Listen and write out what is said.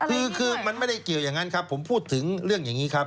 คือคือมันไม่ได้เกี่ยวอย่างนั้นครับผมพูดถึงเรื่องอย่างนี้ครับ